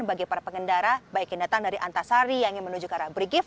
bagi para pengendara baik yang datang dari antrasari yang menuju ke brigif